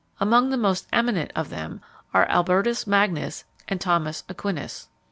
Among the most eminent of them are ALBERTUS MAGNUS AND THOMAS AQUINAS.